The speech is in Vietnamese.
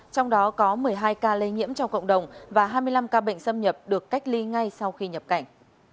trong đó có một mươi hai ca lây nhiễm trong cộng đồng và hai mươi năm ca bệnh xâm nhập được cách ly ngay sau khi nhập cảnh